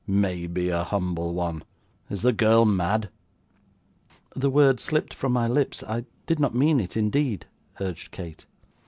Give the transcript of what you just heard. May be a humble one! Is the girl mad?' 'The word slipped from my lips, I did not mean it indeed,' urged Kate.